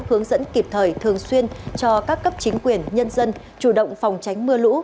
hướng dẫn kịp thời thường xuyên cho các cấp chính quyền nhân dân chủ động phòng tránh mưa lũ